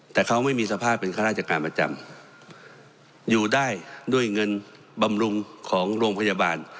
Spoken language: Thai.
แต่เขาไม่มีสภาพเป็นข้าราชการประจำอยู่ได้ด้วยเงินบำรุงของโรงพยาบาล